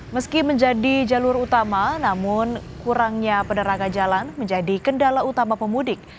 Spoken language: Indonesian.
meski menjadi jalur utama namun kurangnya peneraga jalan menjadi kendala utama pemudik